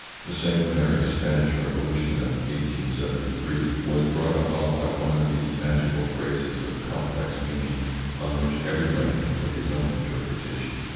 The sanguinary Spanish revolution of 1873 was brought about by one of these magical phrases of complex meaning on which everybody can put his own interpretation.